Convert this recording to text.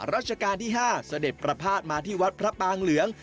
ราชการที่๕เสด็จประพาทมาที่วัดพระปางเหลือง